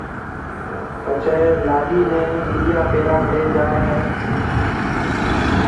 پڇيَ لاڏِي نيَ ٻِليا پيراڻ ليَ جائيَ ھيََََ